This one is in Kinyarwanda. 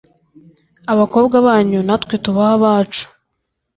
abakobwa banyu natwe tubahe abacu